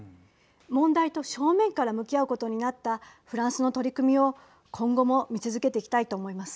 問題と正面から向き合うことになったフランスの取り組みを今後も見続けていきたいと思います。